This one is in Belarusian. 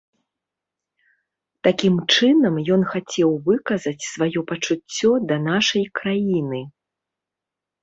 Такім чынам ён хацеў выказаць сваё пачуццё да нашай краіны.